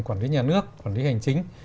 quản lý nhà nước quản lý hành chính